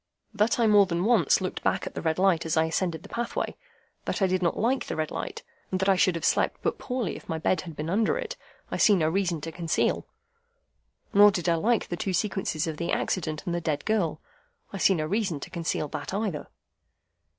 That I more than once looked back at the red light as I ascended the pathway, that I did not like the red light, and that I should have slept but poorly if my bed had been under it, I see no reason to conceal. Nor did I like the two sequences of the accident and the dead girl. I see no reason to conceal that either.